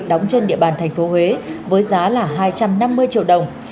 đóng trên địa bàn tp huế với giá là hai trăm năm mươi triệu đồng